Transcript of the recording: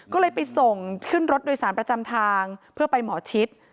ก็เลยไปส่งขึ้นรถโดยสารประจำทางเพื่อไปหมอชิด